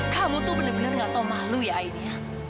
kamu itu benar benar gak tahu malu ya aini